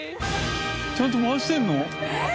ちゃんと回してんの？